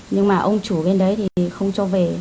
nhưng mà ông chủ bên đấy thì không cho về